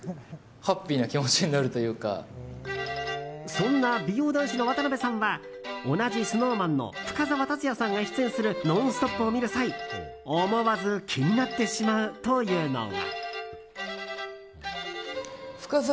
そんな美容男子の渡辺さんは同じＳｎｏｗＭａｎの深澤辰哉さんが出演する「ノンストップ！」を見る際思わず気になってしまうというのが。